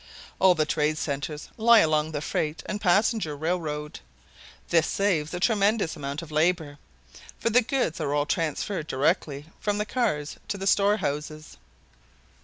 All the trade centers lie along the freight and passenger railroad. This saves a tremendous amount of labor, for the goods are all transferred directly from the cars to the store houses.